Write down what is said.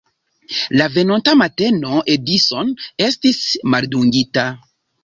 La venonta mateno Edison estis maldungita.